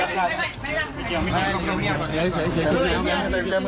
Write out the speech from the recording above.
สวัสดีครับสวัสดีครับ